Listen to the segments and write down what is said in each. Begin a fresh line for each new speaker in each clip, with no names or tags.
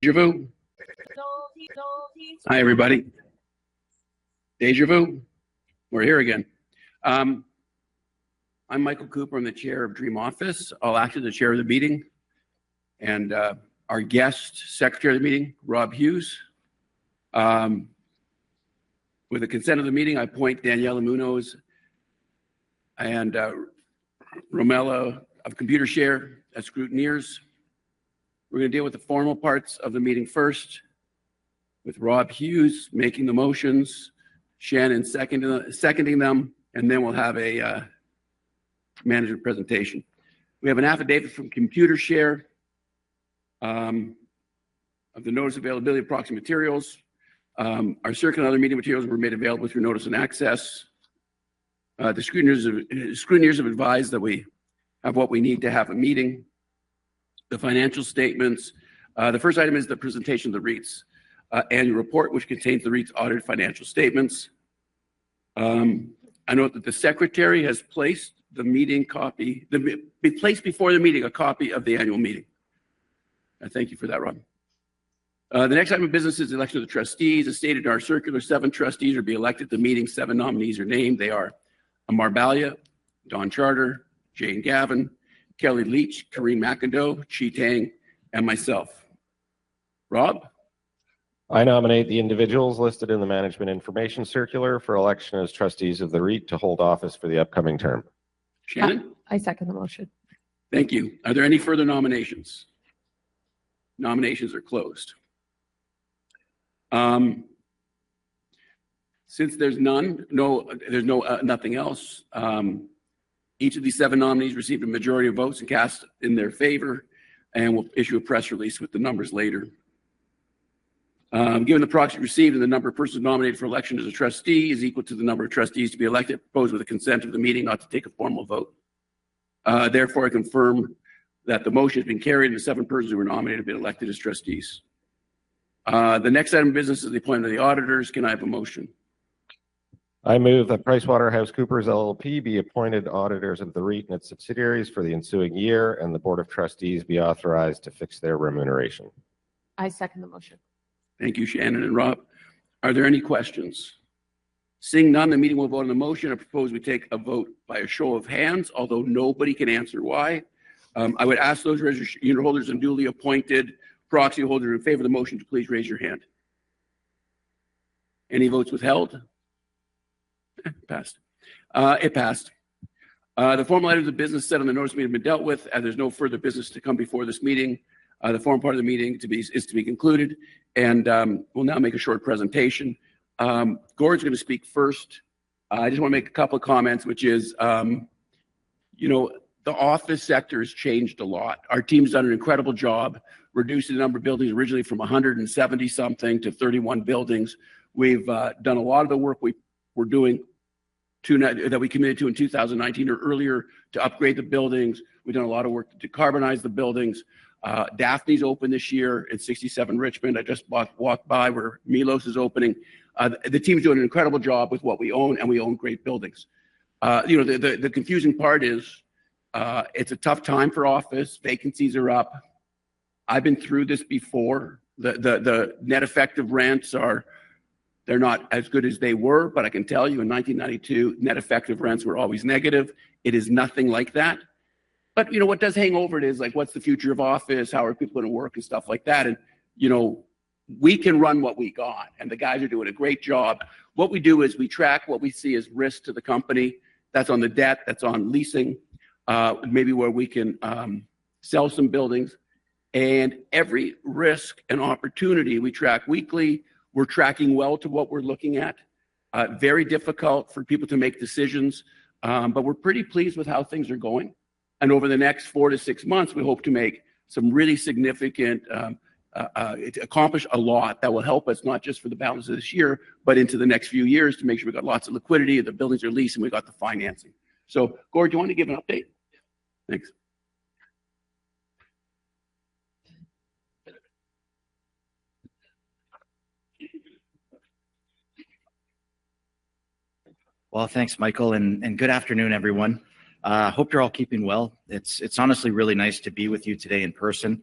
Deja vu?... Hi, everybody. Deja vu, we're here again. I'm Michael Cooper. I'm the chair of Dream Office. I'll act as the chair of the meeting, and our guest secretary of the meeting, Rob Hughes. With the consent of the meeting, I appoint Daniela Munoz and Romolo of Computershare as scrutineers. We're gonna deal with the formal parts of the meeting first, with Rob Hughes making the motions, Shannon seconding them, and then we'll have a management presentation. We have an affidavit from Computershare of the notice availability of proxy materials. Our circular and other meeting materials were made available through notice and access. The scrutineers have advised that we have what we need to have a meeting. The financial statements... The first item is the presentation of the REIT's annual report, which contains the REIT's audited financial statements. I note that the secretary has placed the meeting copy, placed before the meeting, a copy of the annual meeting. I thank you for that, Rob. The next item of business is the election of the trustees. As stated in our circular, seven trustees will be elected at the meeting. Seven nominees are named. They are Amar Bhalla, Don Charter, Jane Gavan, Kellie Leitch, Karine MacIndoe, Qi Tang, and myself. Rob?
I nominate the individuals listed in the management information circular for election as Trustees of the REIT to hold office for the upcoming term.
Shannon?
I second the motion.
Thank you. Are there any further nominations? Nominations are closed. Since there's none, no, there's no, nothing else, each of these seven nominees received a majority of votes cast in their favor, and we'll issue a press release with the numbers later. Given the proxy received and the number of persons nominated for election as a trustee is equal to the number of trustees to be elected, proposed with the consent of the meeting not to take a formal vote. Therefore, I confirm that the motion has been carried, and the seven persons who were nominated have been elected as trustees. The next item of business is the appointment of the auditors. Can I have a motion?
I move that PricewaterhouseCoopers LLP be appointed auditors of the REIT and its subsidiaries for the ensuing year, and the board of trustees be authorized to fix their remuneration.
I second the motion.
Thank you, Shannon and Rob. Are there any questions? Seeing none, the meeting will vote on the motion. I propose we take a vote by a show of hands, although nobody can answer why. I would ask those registered unitholders and duly appointed proxy holders in favor of the motion to please raise your hand. Any votes withheld? Passed. It passed. The formal items of business set on the notice may have been dealt with, and there's no further business to come before this meeting. The forum part of the meeting is to be concluded, and we'll now make a short presentation. Gord's gonna speak first. I just wanna make a couple of comments, which is, you know, the office sector has changed a lot. Our team's done an incredible job reducing the number of buildings originally from 170-something to 31 buildings. We've done a lot of the work we were doing that we committed to in 2019 or earlier to upgrade the buildings. We've done a lot of work to decarbonize the buildings. Daphne's open this year at 67 Richmond. I just walked by where Milos is opening. The team is doing an incredible job with what we own, and we own great buildings. You know, the confusing part is, it's a tough time for office. Vacancies are up. I've been through this before. The net effective rents are, they're not as good as they were, but I can tell you, in 1992, net effective rents were always negative. It is nothing like that. But, you know, what does hang over it is, like, what's the future of office? How are people gonna work, and stuff like that. And, you know, we can run what we got, and the guys are doing a great job. What we do is we track what we see as risk to the company. That's on the debt, that's on leasing, maybe where we can sell some buildings. And every risk and opportunity, we track weekly. We're tracking well to what we're looking at. Very difficult for people to make decisions, but we're pretty pleased with how things are going. And over the next four to six months, we hope to make some really significant... To accomplish a lot that will help us, not just for the balance of this year, but into the next few years, to make sure we've got lots of liquidity, and the buildings are leased, and we've got the financing. So, Gord, do you want to give an update?
Yeah.
Thanks.
Well, thanks, Michael, and good afternoon, everyone. Hope you're all keeping well. It's honestly really nice to be with you today in person,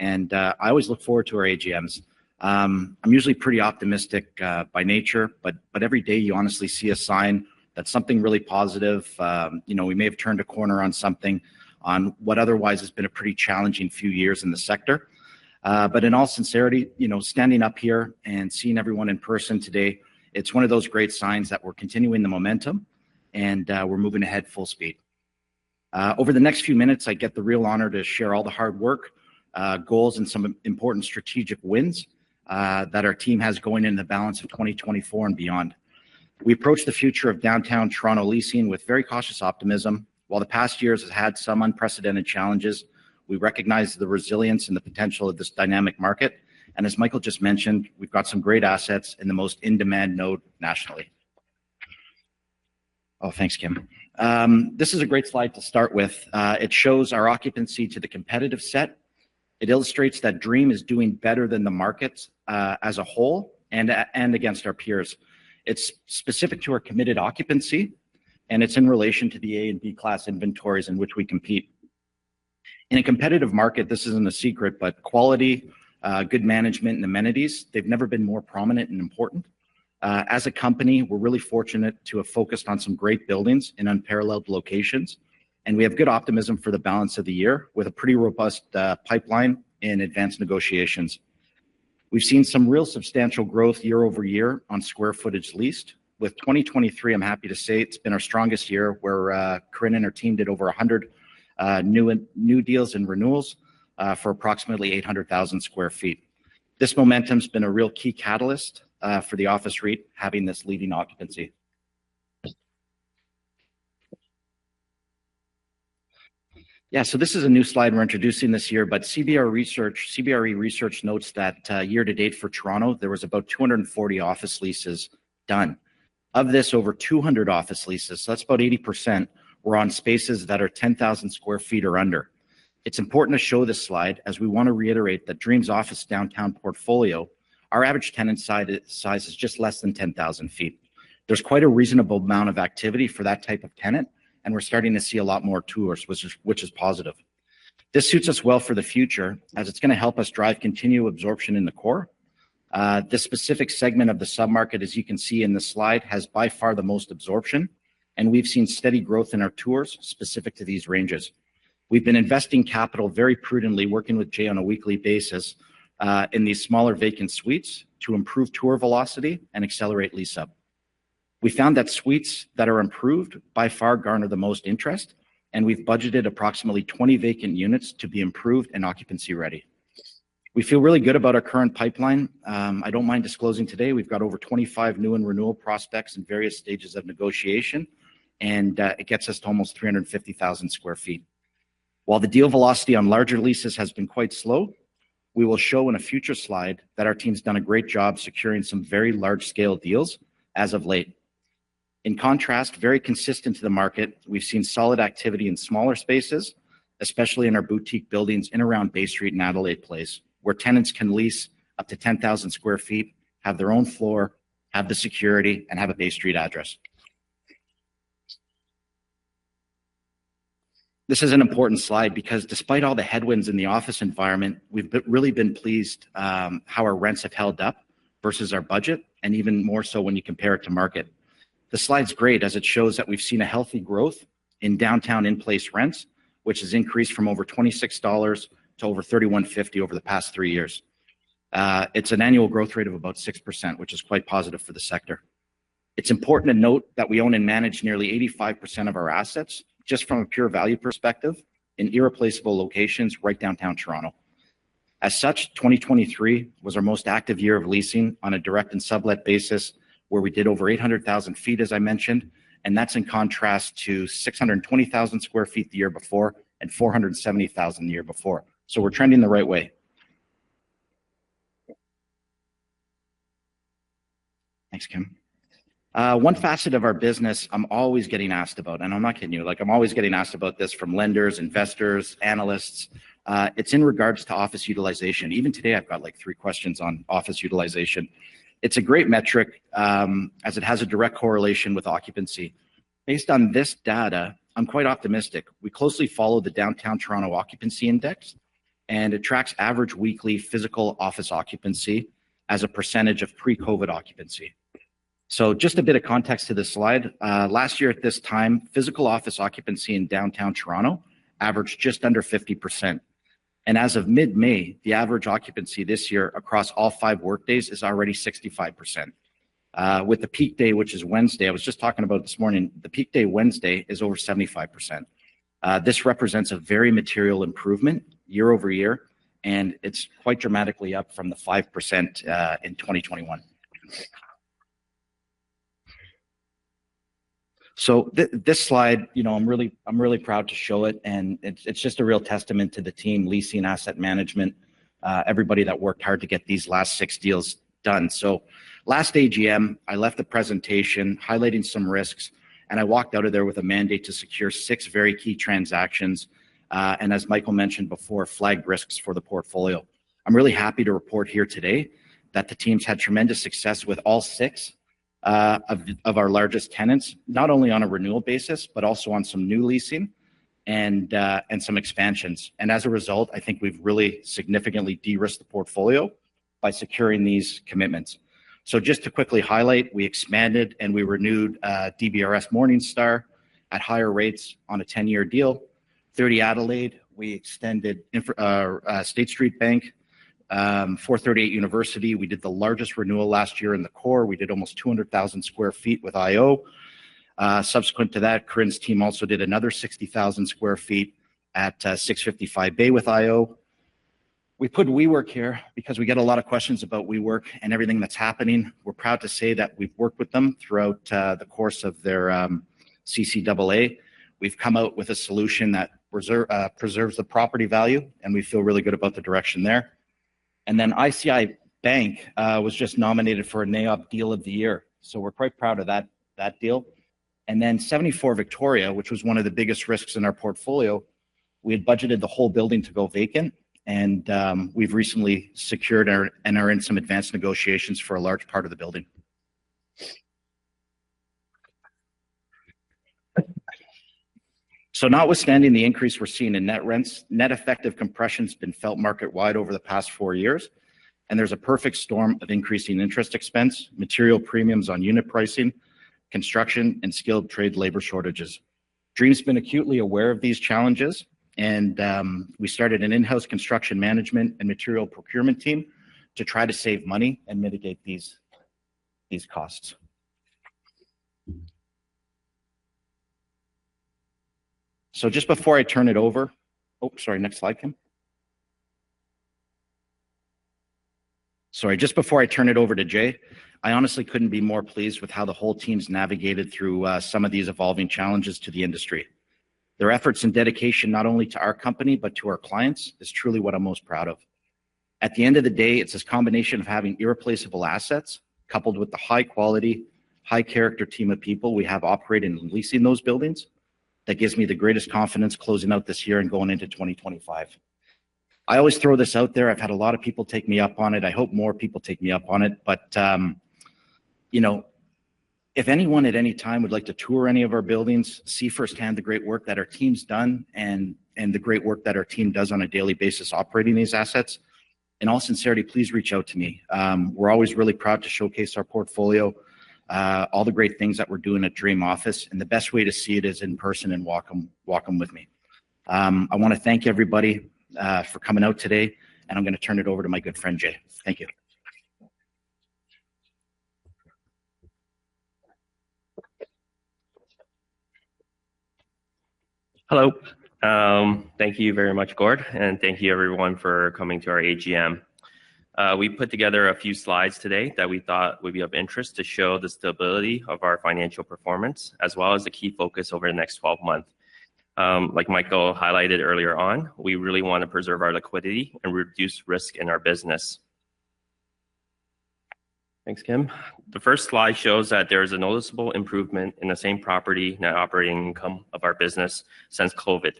and I always look forward to our AGMs. I'm usually pretty optimistic by nature, but every day you honestly see a sign that something really positive, you know, we may have turned a corner on something, on what otherwise has been a pretty challenging few years in the sector. But in all sincerity, you know, standing up here and seeing everyone in person today, it's one of those great signs that we're continuing the momentum and we're moving ahead full speed. Over the next few minutes, I get the real honor to share all the hard work, goals, and some important strategic wins that our team has going in the balance of 2024 and beyond. We approach the future of downtown Toronto leasing with very cautious optimism. While the past years have had some unprecedented challenges, we recognize the resilience and the potential of this dynamic market, and as Michael just mentioned, we've got some great assets in the most in-demand node nationally. Oh, thanks, Kim. This is a great slide to start with. It shows our occupancy to the competitive set. It illustrates that DREAM is doing better than the markets as a whole, and against our peers. It's specific to our committed occupancy and it's in relation to the A and B class inventories in which we compete. In a competitive market, this isn't a secret, but quality, good management, and amenities, they've never been more prominent and important. As a company, we're really fortunate to have focused on some great buildings in unparalleled locations, and we have good optimism for the balance of the year, with a pretty robust pipeline in advanced negotiations. We've seen some real substantial growth year-over-year on square footage leased. With 2023, I'm happy to say, it's been our strongest year, where Corinne and her team did over 100 new deals and renewals for approximately 800,000 sq ft. This momentum's been a real key catalyst for the office REIT having this leading occupancy. Yeah, so this is a new slide we're introducing this year, but CBRE Research notes that, year to date for Toronto, there was about 240 office leases done. Of this, over 200 office leases, so that's about 80%, were on spaces that are 10,000 sq ft or under. It's important to show this slide, as we want to reiterate that Dream's office downtown portfolio, our average tenant size is just less than 10,000 sq ft. There's quite a reasonable amount of activity for that type of tenant, and we're starting to see a lot more tours, which is positive. This suits us well for the future, as it's gonna help us drive continued absorption in the core. This specific segment of the sub-market, as you can see in the slide, has by far the most absorption, and we've seen steady growth in our tours specific to these ranges. We've been investing capital very prudently, working with Jay on a weekly basis, in these smaller vacant suites to improve tour velocity and accelerate lease-up. We found that suites that are improved by far garner the most interest, and we've budgeted approximately 20 vacant units to be improved and occupancy-ready. We feel really good about our current pipeline. I don't mind disclosing today, we've got over 25 new and renewal prospects in various stages of negotiation, and it gets us to almost 350,000 sq ft. While the deal velocity on larger leases has been quite slow, we will show in a future slide that our team's done a great job securing some very large-scale deals as of late. In contrast, very consistent to the market, we've seen solid activity in smaller spaces, especially in our boutique buildings in and around Bay Street and Adelaide Place, where tenants can lease up to 10,000 sq ft, have their own floor, have the security, and have a Bay Street address. This is an important slide because despite all the headwinds in the office environment, we've really been pleased how our rents have held up versus our budget, and even more so when you compare it to market. The slide's great as it shows that we've seen a healthy growth in downtown in-place rents, which has increased from over 26 dollars to over 31.50 over the past 3 years. It's an annual growth rate of about 6%, which is quite positive for the sector. It's important to note that we own and manage nearly 85% of our assets, just from a pure value perspective, in irreplaceable locations right downtown Toronto. As such, 2023 was our most active year of leasing on a direct and sublet basis, where we did over 800,000 sq ft, as I mentioned, and that's in contrast to 620,000 sq ft the year before, and 470,000 sq ft the year before. So we're trending the right way. Thanks, Kim. One facet of our business I'm always getting asked about, and I'm not kidding you, like, I'm always getting asked about this from lenders, investors, analysts. It's in regards to office utilization. Even today, I've got, like, three questions on office utilization. It's a great metric, as it has a direct correlation with occupancy. Based on this data, I'm quite optimistic. We closely follow the downtown Toronto Occupancy Index, and it tracks average weekly physical office occupancy as a percentage of pre-COVID occupancy. So just a bit of context to this slide. Last year at this time, physical office occupancy in downtown Toronto averaged just under 50%, and as of mid-May, the average occupancy this year across all five workdays is already 65%. With the peak day, which is Wednesday, I was just talking about this morning, the peak day, Wednesday, is over 75%. This represents a very material improvement year over year, and it's quite dramatically up from the 5% in 2021. So this slide, you know, I'm really, I'm really proud to show it, and it's, it's just a real testament to the team, leasing, asset management, everybody that worked hard to get these last six deals done. So last AGM, I left the presentation highlighting some risks, and I walked out of there with a mandate to secure six very key transactions, and as Michael mentioned before, flag risks for the portfolio. I'm really happy to report here today that the team's had tremendous success with all six of our largest tenants, not only on a renewal basis, but also on some new leasing and some expansions. As a result, I think we've really significantly de-risked the portfolio by securing these commitments. Just to quickly highlight, we expanded and we renewed DBRS Morningstar at higher rates on a 10-year deal. 30 Adelaide, we extended State Street Bank. 438 University, we did the largest renewal last year in the core. We did almost 200,000 sq ft with IO. Subsequent to that, Corinne's team also did another 60,000 sq ft at 655 Bay with IO. We put WeWork here because we get a lot of questions about WeWork and everything that's happening. We're proud to say that we've worked with them throughout the course of their CCAA. We've come out with a solution that preserves the property value, and we feel really good about the direction there. And then ICICI Bank was just nominated for a NAIOP Deal of the Year, so we're quite proud of that, that deal. And then 74 Victoria, which was one of the biggest risks in our portfolio, we had budgeted the whole building to go vacant, and we've recently secured a and are in some advanced negotiations for a large part of the building. So notwithstanding the increase we're seeing in net rents, net effective compression's been felt market-wide over the past four years, and there's a perfect storm of increasing interest expense, material premiums on unit pricing, construction, and skilled trade labor shortages. Dream's been acutely aware of these challenges, and we started an in-house construction management and material procurement team to try to save money and mitigate these, these costs. So just before I turn it over. Oh, sorry, next slide, Kim. Sorry, just before I turn it over to Jay, I honestly couldn't be more pleased with how the whole team's navigated through some of these evolving challenges to the industry. Their efforts and dedication, not only to our company, but to our clients, is truly what I'm most proud of. At the end of the day, it's this combination of having irreplaceable assets, coupled with the high quality, high character team of people we have operating and leasing those buildings, that gives me the greatest confidence closing out this year and going into 2025. I always throw this out there. I've had a lot of people take me up on it. I hope more people take me up on it. But, you know, if anyone at any time would like to tour any of our buildings, see firsthand the great work that our team's done and the great work that our team does on a daily basis operating these assets, in all sincerity, please reach out to me. We're always really proud to showcase our portfolio, all the great things that we're doing at Dream Office, and the best way to see it is in person and walk 'em with me. I wanna thank everybody for coming out today, and I'm gonna turn it over to my good friend, Jay. Thank you.
Hello. Thank you very much, Gord, and thank you, everyone, for coming to our AGM. We put together a few slides today that we thought would be of interest to show the stability of our financial performance, as well as the key focus over the next 12 months. Like Michael highlighted earlier on, we really wanna preserve our liquidity and reduce risk in our business. Thanks, Kim. The first slide shows that there is a noticeable improvement in the same property net operating income of our business since COVID.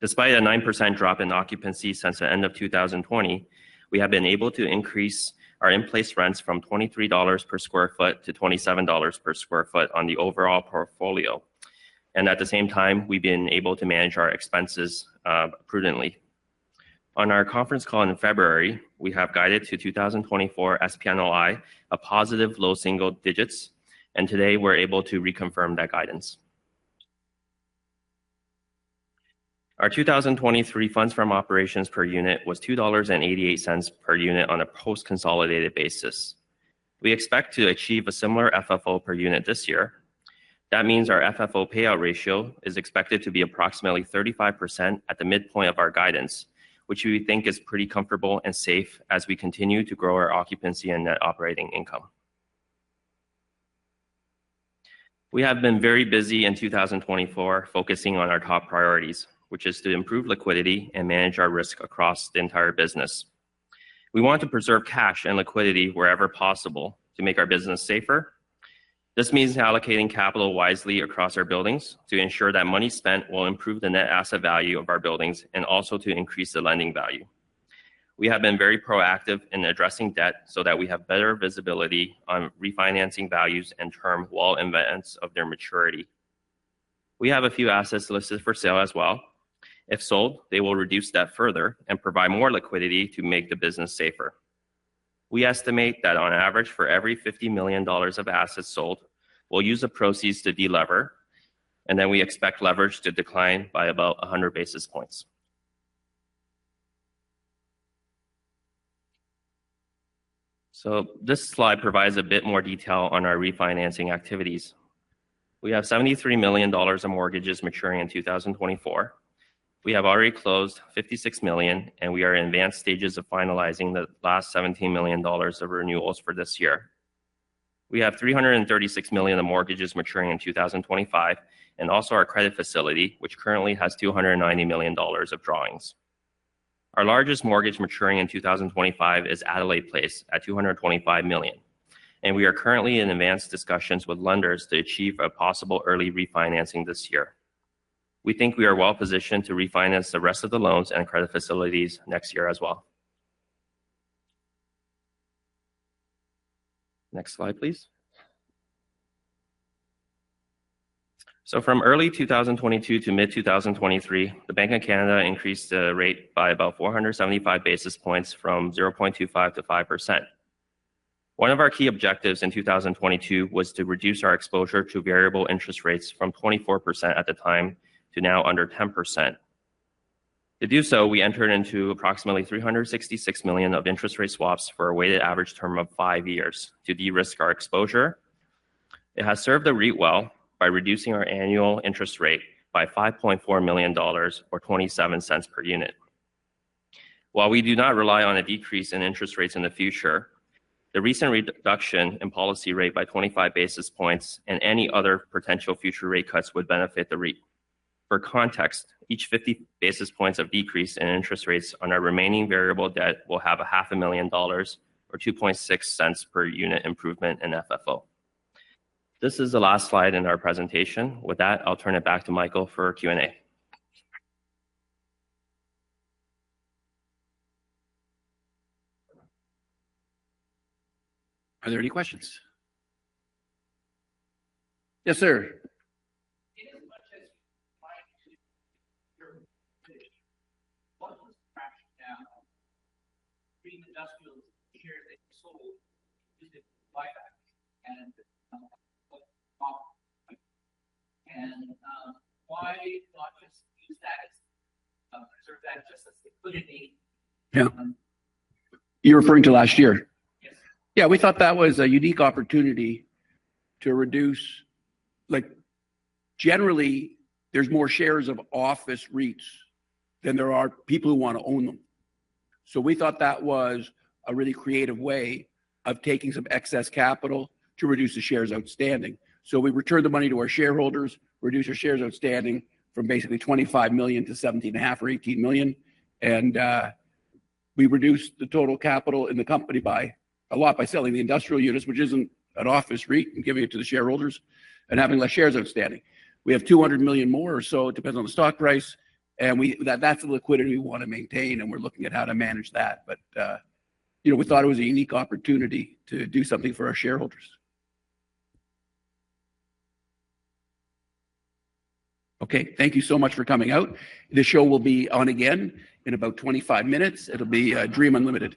Despite a 9% drop in occupancy since the end of 2020, we have been able to increase our in-place rents from 23 dollars/sq ft-CAD 27/sq ft on the overall portfolio. And at the same time, we've been able to manage our expenses prudently. On our conference call in February, we have guided to 2024 SPNOI, a positive low single digits, and today we're able to reconfirm that guidance. Our 2023 funds from operations per unit was 2.88 dollars per unit on a post-consolidated basis. We expect to achieve a similar FFO per unit this year. That means our FFO payout ratio is expected to be approximately 35% at the midpoint of our guidance, which we think is pretty comfortable and safe as we continue to grow our occupancy and net operating income. We have been very busy in 2024, focusing on our top priorities, which is to improve liquidity and manage our risk across the entire business. We want to preserve cash and liquidity wherever possible to make our business safer. This means allocating capital wisely across our buildings to ensure that money spent will improve the net asset value of our buildings, and also to increase the lending value. We have been very proactive in addressing debt so that we have better visibility on refinancing values and term wall events of their maturity. We have a few assets listed for sale as well. If sold, they will reduce debt further and provide more liquidity to make the business safer. We estimate that on average, for every 50 million dollars of assets sold, we'll use the proceeds to delever, and then we expect leverage to decline by about 100 basis points. This slide provides a bit more detail on our refinancing activities. We have 73 million dollars in mortgages maturing in 2024. We have already closed 56 million, and we are in advanced stages of finalizing the last 17 million dollars of renewals for this year. We have 336 million of mortgages maturing in 2025, and also our credit facility, which currently has 290 million dollars of drawings. Our largest mortgage maturing in 2025 is Adelaide Place at 225 million, and we are currently in advanced discussions with lenders to achieve a possible early refinancing this year. We think we are well-positioned to refinance the rest of the loans and credit facilities next year as well. Next slide, please. So from early 2022 to mid 2023, the Bank of Canada increased the rate by about 475 basis points from 0.25%-5%. One of our key objectives in 2022 was to reduce our exposure to variable interest rates from 24% at the time, to now under 10%. To do so, we entered into approximately 366 million of interest rate swaps for a weighted average term of 5 years to de-risk our exposure. It has served the REIT well by reducing our annual interest rate by 5.4 million dollars or 0.27 per unit. While we do not rely on a decrease in interest rates in the future, the recent reduction in policy rate by 25 basis points and any other potential future rate cuts would benefit the REIT. For context, each 50 basis points of decrease in interest rates on our remaining variable debt will have a 500,000 dollars or 0.026 per unit improvement in FFO. This is the last slide in our presentation. With that, I'll turn it back to Michael for Q&A.
Are there any questions? Yes, sir.
your pitch, what was cash from Dream Industrial shares they sold using buyback and, why not just use that as, preserve that just as liquidity?
Yeah. You're referring to last year?
Yes.
Yeah, we thought that was a unique opportunity to reduce... Like, generally, there's more shares of office REITs than there are people who wanna own them. So we thought that was a really creative way of taking some excess capital to reduce the shares outstanding. So we returned the money to our shareholders, reduced our shares outstanding from basically 25 million to 17.5 or 18 million, and we reduced the total capital in the company by a lot by selling the industrial units, which isn't an office REIT, and giving it to the shareholders and having less shares outstanding. We have 200 million more or so, it depends on the stock price, and that's the liquidity we wanna maintain, and we're looking at how to manage that. You know, we thought it was a unique opportunity to do something for our shareholders. Okay, thank you so much for coming out. This show will be on again in about 25 minutes. It'll be Dream Unlimited.